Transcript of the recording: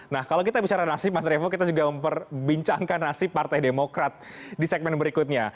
nah kalau kita bicara nasib mas revo kita juga memperbincangkan nasib partai demokrat di segmen berikutnya